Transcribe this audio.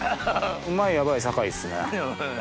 うまいヤバい酒井っすね。